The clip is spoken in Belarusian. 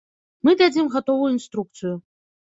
Мы дадзім гатовую інструкцыю.